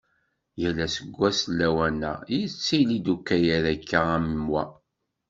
Yal aseggas lawan-a, yettili-d ukayad akka am wa.